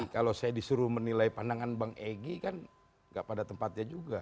kalau saya disuruh menilai pandangan bang egy kan gak pada tempatnya juga